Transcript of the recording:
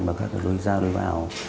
và các đối gia đối vào